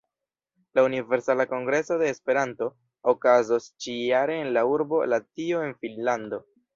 La Universala Kongreso de Esperanto okazos ĉi-jare en la urbo Lahtio en Finnlando.